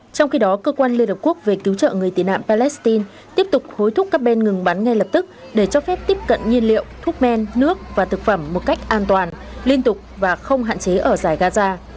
trong khi đó cơ quan liên hợp quốc về cứu trợ người tị nạn palestine tiếp tục hối thúc các bên ngừng bắn ngay lập tức để cho phép tiếp cận nhiên liệu thuốc men nước và thực phẩm một cách an toàn liên tục và không hạn chế ở giải gaza